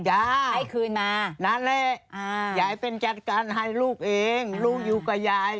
ให้คืนมานั่นแหละยายเป็นจัดการให้ลูกเองลูกอยู่กับยาย